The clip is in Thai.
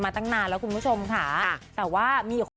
ใช่ค่ะก็มีลูกสองแล้วเนาะ